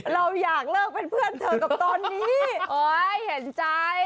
เราอยากเลิกเป็นเพื่อนเธอกับตอนนี้โอ๊ยเห็นใจ